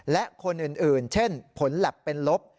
และคนอื่นเช่นผลแล็บเป็นลบ